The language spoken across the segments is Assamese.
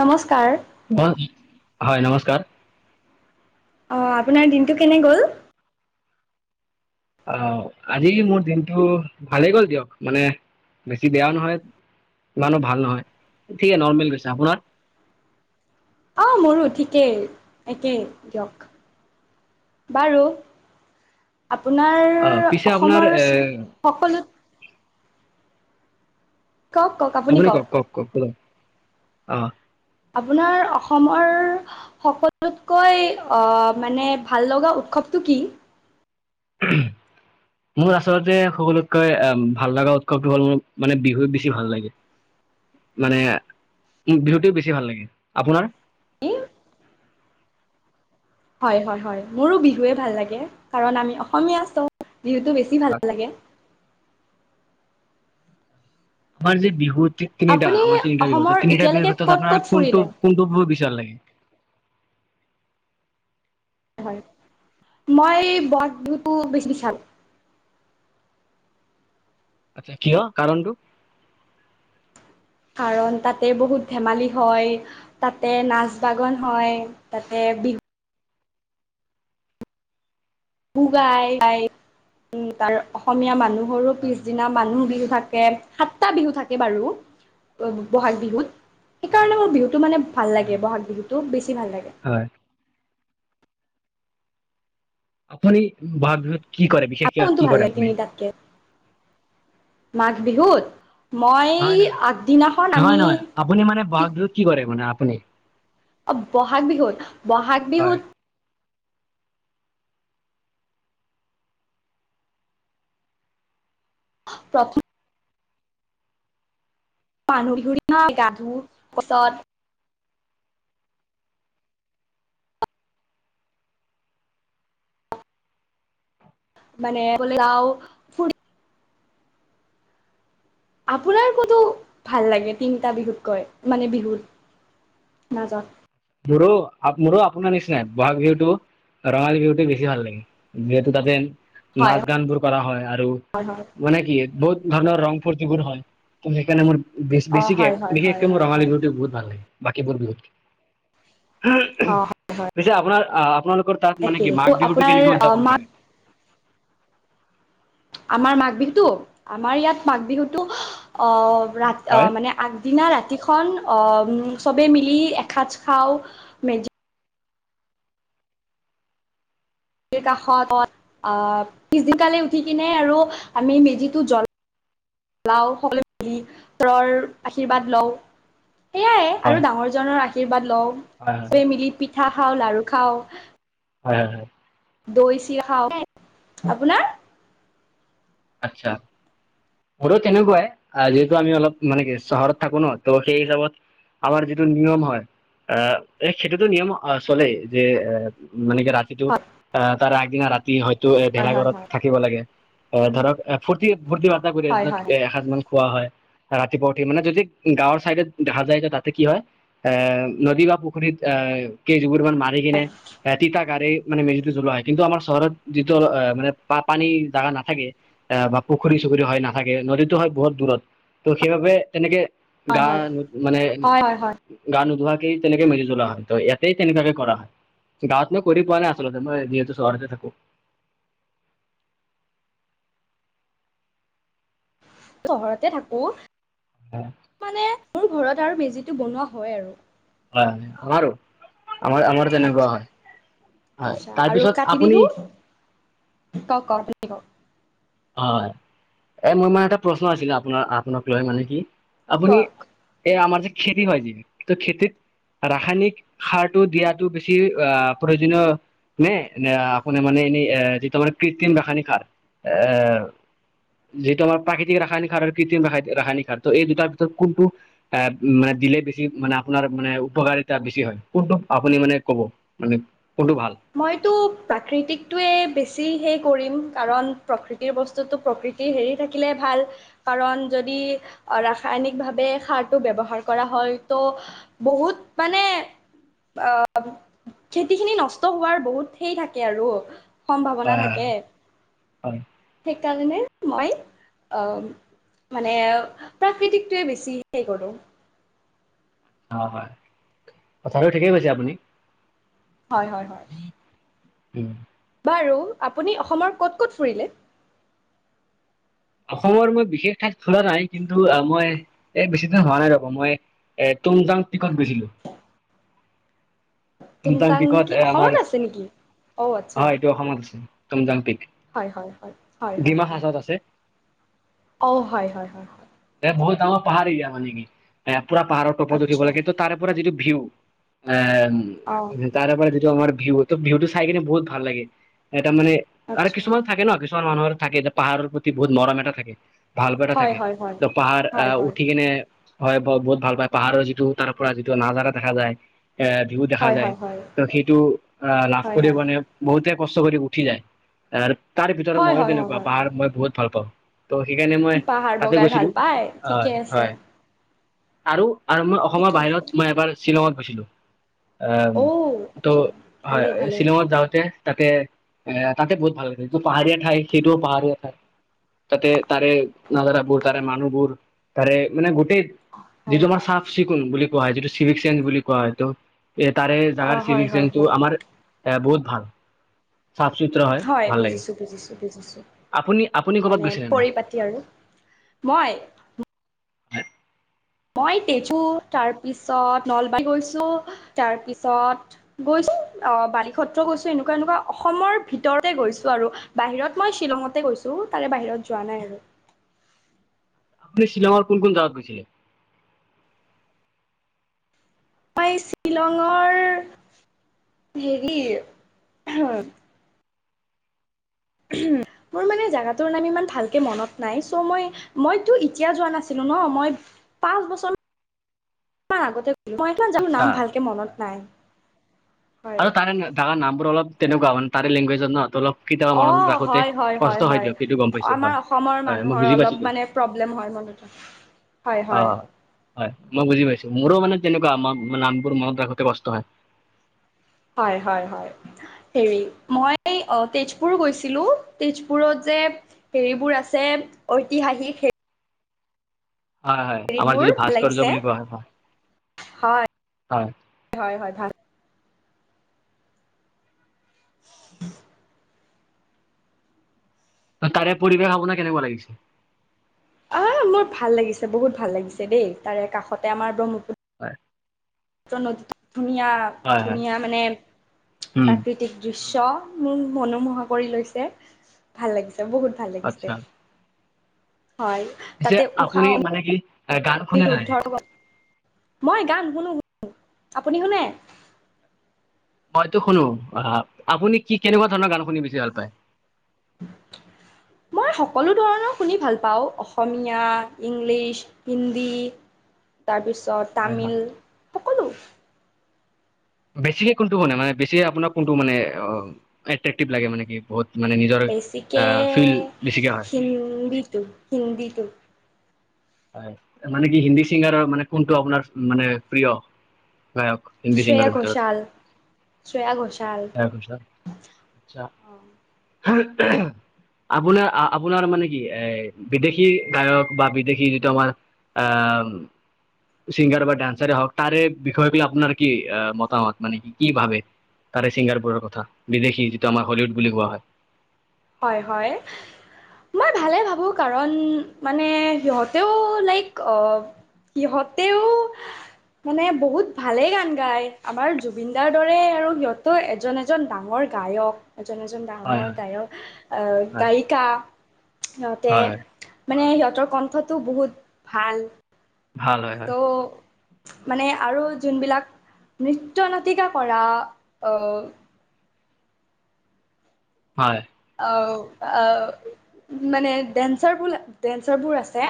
নমস্কাৰ অ হয় নমস্কাৰ অ আপোনাৰ দিনটো কেনে গ'ল? আহ আজি মোৰ দিনটো ভালেই গ'ল দিয়ক, মানে বেছি বেয়াও নহয় ইমানো ভাল নহয় ঠিকে নৰ্মেল কৈছো আপোনাৰ অ মোৰো ঠিকেই একেই দিয়ক বাৰু আপোনাৰ আহ পিছে আপোনাৰ অসমৰ এ সকলো। আপুনি কওক কওক কওক অ। আপোনাৰ অসমৰ সকলোতকৈ অ মানে ভাল লগা। উৎসৱ তো কি। [unintelligible] মোৰ আচলতে সকলোতকৈ আহ ভাল লগা উৎসৱটো হ'ল মোৰ মানে বিহু বেছি ভাল লাগে। মানে বিহুটো বেছি ভাল লাগে আপোনাৰ? হয় হয় হয় মোৰো বিহুৱে ভাল লাগে, কাৰণ আমি অসমীয়া বিহুটো বেছি আচ্ছা, ভাল লাগে। আমাৰ যে বিহুত। তিনিটা আপুনি তিনিটা বিহু অসমৰ তিনিটা বিহু এতিয়ালৈকে ভিতৰত ক'ত আপোনাৰ ক'ত কোনটো ফুৰিলে কোনটো বহুত বেছি ভাল লাগে। মই বহাগ বিহুটো বেছি ভাল্। আচ্ছা কিয় কাৰণটো? কাৰণ তাতে বহুত ধেমালি হয়, তাতে নাচ গান হয় তাতে। বিহু। গাই গাই উ তাৰ অসমীয়া মানুহ। গৰুৰ হয় হয় পিছদিনা মানুহ বিহু থাকে। সাতটা বিহু থাকে বাৰু বহাগ বিহুত। হয় সেইকাৰণে মোৰ বিহুটো মানে ভাল হয় লাগে হয় বহাগ বিহুটো বেছি ভাল লাগে। হয় আপুনি বহ বিহত কি কৰে আমাৰ বিশেষকে কোনটো কি ভাল কৰে লাগে আপুনি। তিনিটাতকে মাঘ বিহুত। মই নয় নহয় আগদিনাখন নহয় আমি নহয় আপুনি মানে বহাগ বিহত কি কৰে মানে আপুনি। অ বহাগ বিহুত বহাগ হয় বিহুত। প্ৰথম। মানুহ বিহুৰ নহ গা ধোৱাৰ পিচত। মানে যাও ফুৰি। আপোনাৰ কোনটো ভাল লাগে তিনিটা বিহুত কৈ মানে বিহুত। মাজত। মোৰো মোৰো আপোনাৰ নিচিনাই বহাগ বিহুটো। ৰঙালী বিহুত বেছি ভাল লাগে যিহেতু তাতে। হয় নাচ গান বোৰ কৰা হয় আৰু হয় হয় মানে কি বহুত। ধৰণৰ ৰং ফূৰ্তিবোৰ হয়, ত সেইকাৰণে মোৰ অ বেছিকে হয় হয় হয় বিশেষকে মোৰ হয় ৰঙালী হয় বহুত ভাল লাগে। বাকীবোৰ বিহুত, অ হয় হয় পিছে আপোনাৰ আপোনালোক। তাত মানে একেই কি মাঘ বিহুতটো আপোনাৰ কেনেকে উদযাপন মাক কৰে? আমাৰ মাঘ বিহুতো? আমাৰ ইয়াত মাঘ বিহুতো অ। অ হয় মানে আগদিনা ৰাতি। খন চবেই মিলি এসাঁজ খাওঁ মেজী। কাষত পিছদিনকালে উঠি কিনে আৰু আমি মেজিটো জ্বল। লাওঁ সকলে মিলি তৰৰ আশীৰ্বাদ লওঁ। সেয়াই আৰু হয় ডাঙৰজনৰ আশীৰ্বাদ লওঁ হয় হয় চবে মিলি পিঠা খাওঁ লাৰু খাওঁ। হয়, হয়, হয়। দৈ চিয়া খাওঁ আপোনাৰ। আচ্ছা। আৰু তেনেকুৱাই যিহেতু আমি অলপ মানে কি চহৰত থাকো ন ত' সেই হিচাপত। আমাৰ যিটো নিয়ম হয় আহ এই সেইটোতো নিয়ম চলেই যে এ। মানে কিে ৰাতিটো হয়, আহ তাৰ আগদিনা ৰাতি হয়তো এ হয়, ভেলাঘৰত হয়, থাকিব লাগে। অঁ ধৰক ফূৰ্তি ফূৰ্তি বাৰ্তা কৰি হয়, হয়, ধক হয়, এসাঁজ মান খোৱা হয়। ৰাতিপুৱা উঠি মানে যদি গাঁৱৰ চাইডে দেখা যায় যে তাতে কি হয়। আ নদী বা পোখৰিত কে যুগুৰবান মাৰ কিনে তিগাৰে। মানে মেজিতে জ্বলোৱা হয় কিন্তু আমাৰ চহৰত যিটো অ মানে পানী জাগা নাপ। থাকে আঁহ বা পুখুৰী চুখুৰী হয় নাথাকে নদীতো হয় বহুত দূৰত ত' সেইবাবে তেনেকে হয়, গা হয়, নু মানে হয়, হয়, হয়। গা নোধোৱা। তেনেকে মিলি জলা হয় ত ইয়াতেই তেনেকাকে কৰা হয় গাঁৱত নো কৰি পোৱা নাই আচলতে মই যিহেতু চহৰতে থাকো [unintelligible] চহৰতে থাকো হয় মানে মোৰ ঘৰত আৰু মেজি এইটো বনোৱা হয় আৰু হয় হয় আমাৰো আমাৰ আমাৰো তেনেকুৱা আচ্ছা, হয়। হয় তাৰপিছত আপুনি কওঁক কওঁক। হয় এ মোৰ মানে এটা প্ৰশ্ন আছিলে আপোনাৰ আপোনাক লৈ মানে কি আপুনি কওক। এ আমাৰ যে খেতি হয় য ত খেতিত। ৰাসায়নিক সাৰটো দিয়াটো বেছি আহ প্ৰয়োজনীয়। নে আপোন মানে এনেই যিটো মান কৃত্ৰিম ৰাসায়নিক সাৰ আহঁ। যিহেটো আৰু প্ৰাকৃতিক ৰাসায়নিক সাৰ আৰু কৃত্ৰিম ৰাসায়নিক সাৰ ত এই দুটাৰ ভিতৰত কোনটো আঁহ মান। দিলে বেছি মানে আপোনাৰ মানে উপকাৰ এটা বেছি হয় কোনটো আপুনি মানে কব মানে। কোনটো ভাল মইতো প্ৰাকৃতিকটোয়ে বেছি। যি সেই কৰিম কাৰণ, প্ৰকিতিৰ বস্তু টো হেৰি থাকিলে ভাল কাৰণ ৰাসায়নিক ভাৱে সাৰটো ব্যৱহাৰ কৰা হয় ত' বহুত মানে আহ খেতি খিনি নষ্ট হোৱাৰ বহুত সেই থাকে। আৰু সম্ভাৱনা হয় হয় থাকে হয় সেইকাৰণে মই। আহ মানে প্ৰাকৃতিকটোৱে বেছি হে কৰোঁ। হয় হয় কথাটো ঠিকেই কৈছে আপুনি। হয় হয় হয়। উম। বাৰু আপুনি অসমৰ ক'ত ক'ত ফুৰিলে অসমৰ মই বিশেষ ঠাইত খোলা নাই কিন্তু আহ মই এ বেছি দিন হোৱা নাই ৰব মই এ তুম জাং পিকত গৈছিলো। [unintelligible] তুম জাং তুমচাং পিকত কি এ অসমত আমাৰ আছে নেকি অ' আচ্ছা হয় এইটো অসমত আছে তুম জাং পিক হয় হয় ডিমা হয়। হাচাওত আছে অঁ হয়, হয়, হয়, হয়। এ বহুত ডাঙৰ পাহাৰ এৰিয়া মানে কি এ পুৰা পাহাৰৰ ওপৰত উঠিব আচ্ছা লাগে ত তাৰে পৰা যিটো। অঁ [unintelligible] টো ভিউ ত ভিউটো চাই কিনে বহুত ভাল লাগে এটা মানে আৰু আচ্ছা কিছুমান থাকে ন কিছুমান মানুহৰ থাকে যে পাহাৰৰ প্ৰতি বহুত মৰম এটা থাকে ভাল প এটা হয় থাকে। হয় হয় ত পাহাৰ অ হয় হয় উঠি কেনে হয় বহুত ভাল পায় পাহাৰৰ যিটো তাৰ পৰা যিটো নাজাৰা দেখা যায়। এ ভিউ দেখা হয় যায় হয় হয় ত সেইটো আহ লাভ হয় কৰি হয় মানে বহুতে কষ্ট কৰি উঠি যায় আৰু তাৰ ভিতৰত হয় মইয়ে হয় হয় তেনেকুৱা হয় পাহাৰ মই বহুত ভাল পাওঁ। ত' সেইকাৰণে মই পাহাৰ তাতে বগাই ভাল গৈছিলোঁ পায় ঠিকে হয় আছে হয়। আৰু আৰু মই অসমৰ ঠিকে আছে বাহিৰত মই এবাৰ শ্বিলঙত গৈছিলোঁ। আ অ' আচ্ছা ত' ভালেই হয় ভালেই শ্বিলংত যাওঁতে। তাতে এ তাতে বহুত ভাল লাগিছে যিটো পাহাৰীয়া ঠাই সেইটোও পাহাৰীয়া ঠাই। তাতে তাৰে নাজাৰা বহুত। তাৰে মানুহবোৰ তাৰে মানে গোটেই যিটো হয় আমাৰ হয় চাফ চিকুণ বুলি কোৱা হয় যিটো চিভিক চেঞ্জ বুলি কোৱা হয়টো এ তাৰে জাগাৰ অঁ হয় চিভিক হয় চেঞ্জটো হয় আমাৰ বহুত ভাল। চাফ চিকুণ হয় ভাল লাগে বুজিছোঁ বুজিছোঁ বুজিছোঁ আপুনি আপুনি ক'ৰবাত মানে গৈছিলে নাই পৰিপাতি আৰু। মই। [unintelligible] মই তেজু তাৰপিছত নলবাৰীত গৈছোঁ তাৰ পিছত গৈছোঁ বালি সত্ৰও গৈছোঁ এনেকুৱা এনেকুৱা অসমৰ ভিতৰতে গৈছোঁ আৰু বাহিৰত মই শ্বিলঙতে গৈছোঁ। তাৰে বাহিৰত যোৱা নাই আৰু। আপু শ্বিলংঙৰ কোন কোন জাগাত গৈছিলে? মই শ্বিলঙৰ হেৰি। [unintelligible] মোৰ মানে জাগাটোৰ নাম ইমান ভালকে মনত নাই চ মই মইতো এতিয়া যোৱা নাছিলোঁ ন মই। পাঁচ বছৰ আগতে মইমান যামো আচ্ছা নাম ভালকে মনত নাই। হয়। আৰু তাৰেঙাৰ নামবোৰ অলপ তেনেকুৱা মানে তাৰে লেংগুৱেজত নহ ত অলপ। কেতিয়াবা অ মনত ৰাখোতে হয় হয় কষ্ট হয় হয় দিয়ক সেইটো গম পাইছো আমাৰ হয় অসমৰ হয় মই মানুহৰ বুজি পাইছো অলপ দিয়ক মানে প্ৰব্লেম হয় ম [unintelligible] অ হয় মই বুজি পাইছোঁ। মোৰো মানে তেনেকুৱা আম মানে নামবোৰ মনত ৰাখোতে কষ্ট হয়। হয় হয় হয়। হেৰি মই অ তেজপুৰ গৈছিলোঁ তেজপুৰত যে হেৰিবোৰ আছে। ঐতিহাসিকে। হয় হয় আমাৰ যিটো ভাল ভাস্কৰ্য লাগিছে বুলি কোৱা হয় হয়। হয় হয় হয় হয় ভাল [unintelligible] তাৰে পৰিৱেশ আপোনাৰ কেনেকুৱা লাগিছে? আহ মোৰ ভাল লাগিছে বহুত ভাল লাগিছে দেই তাৰে কাষতে আমাৰ ব্ৰহ্মপু হয় নদীত ধুনীয়া হয় হয় ধুনীয়া মানে উম প্ৰাকৃতিক দৃশ্য। দৃশ্য মোৰ মনোমোহা কৰি লৈছে ভাল লাগিছে বহুত ভাল আচ্ছা লাগিছে। হয় পিছে তাতে উষা আপুনি মানে কি গান শুনে নাই? অনিৰুদ্ধ মই গান শুনো শুনো আপুনি শুনে? মইতো শুনো আহ আপুনি কি কেনেকুৱা ধৰণৰ গান শুনি বেছি ভাল পায়? [unintelligible] মই সকলো ধৰণৰ শুনি ভাল পাওঁ অসমীয়া, ইংলিছ, হিন্দী। তাৰপিছত হয় হয় তামিল সকলো। বেছিকে কোনটো হোনে মানে বেছি আপোনাক কোনটো মানে এট্ৰেক্টিভ লাগে মানে কি বহুত। মানে নিজৰ বেছিকে ফিল বেছিকে হয় হিন্দীটো হিন্দীটো। হয় মানে কি হিন্দী চিংগাৰৰ মানে কোনটো আপোনাৰ মানে প্ৰিয়? গায়ক হিন্দী শ্ৰেয়া চিংগাৰ ভিতৰত। ঘোষাল শ্ৰেয়া ঘোষাল আহ হয় আপোনাৰ আপোনাৰ মানে কি এ বিদেশী গায়ক বা বিদেশী আমাৰ আ ছিংগাৰ বা ডান্সাৰে হওক তাৰে বিষয় গিলা আপোনাৰ কি মতামত মানে কি কি ভাবে তাৰে ছিংগাৰবোৰৰ কথা বিদেশী যিটো আমাৰ হলিউড বুলি কোৱা হয় হয় হয় মই ভালে ভাবো কাৰণ মানে সিহঁতেও লাইক অ সিহঁতেও মানে বহুত ভালে গান গাই আমাৰ জুবিনদাৰ দৰে আৰু সিহঁতো এজন এজন ডাঙৰ গায়ক এজন এজন হয় ডাঙৰ গায়ক অহ হয় গায়িকা সিহতে হয় হয় মান নে সিহঁতৰ কণ্ঠটো বহুত ভাল ভাল হয় ত' হয় মানে আৰু যোনবিলাক নৃত্য নাটিকা কৰা আ হয় অ আ মানে ডেন্সাৰবোৰ আছে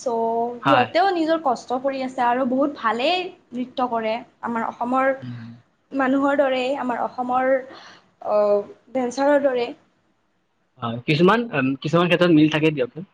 চ' সিহঁতেও নিজৰ কষ্ট কৰি আছে আৰু বহুত ভালেই নৃত্য কৰে আমাৰ অসমৰ হয় মানুহৰ দৰে আমাৰ অসমৰ ডেন্সাৰৰ দৰে হয় কিছুমান কিছুমান ক্ষেত্ৰত মিল থাকেই দিয়কচোন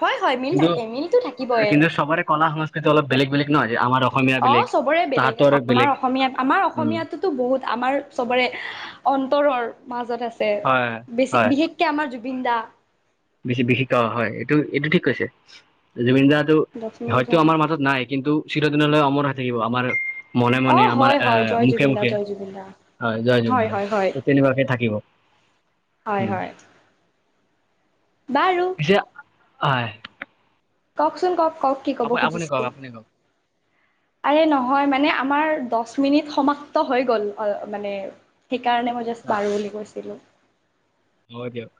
হয় হয় মিল কিন্তু থাকে মিলটো থাকিবই কিন্তু চবৰে কলা সংস্কৃতি অলপ বেলেগ বেলেগ নহয় আমাৰ অসমীয়া অ বেলেগ চবৰে বেলেগ তাহাঁতৰ আমাৰ বেলেগ অসমীয়া আমাৰ উম অসমীয়াটোতো বহুত আমাৰ চবৰে অন্তৰৰ মাজত আছে হয় বেছি হয় বিশেষকে আমাৰ জুবিন দা বেছি বিশেষকে হয় এইটো এইটো ঠিক কৈছে জুবিনদা লক্ষ্মী হয়তো আমাৰ মাজত নাই কিন্তু চিৰদিনলৈ অমৰ হৈ থাকিব আমাৰ মনে অ মনে আমাৰ হয় আ হয় জয় মুখে জুবিন দা মুখে জয় জুবিন দা হয় জয় জুবিন দা হয় হয় তেনেকোৱাকে থাকিব হয় উম হয় বাৰু পিছে হয় কওকচোন কওক কওক কি ক'ব আপুনি আপুনি কওক খুজিছিল আপুনি কওক আৰে নহয় মানে আমাৰ দচ মিনিট সমাপ্ত হৈ গ'ল মানে সেইকাৰণে মই জাষ্ট বাৰু বুলি কৈছিলোঁ হয় দিয়ক